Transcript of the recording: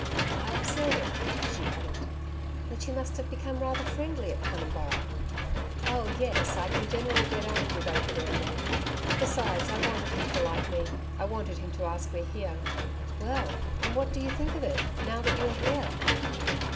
I observe,' she added, 'that you must have become rather friendly at Tunumburra?' 'Oh, yes. I can generally get on with open air men. Besides, I wanted him to like me. I wanted him to ask me here.' 'Well and what do you thing of it, now that you are here?'